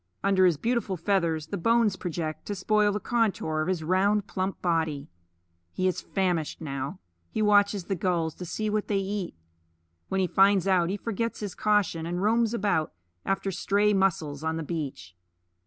Under his beautiful feathers the bones project to spoil the contour of his round plump body. He is famished now; he watches the gulls to see what they eat. When he finds out, he forgets his caution, and roams about after stray mussels on the beach.